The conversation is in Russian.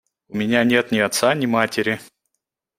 – У меня нет ни отца, ни матери.